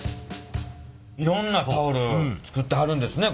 いろんなタオル作ってはるんですね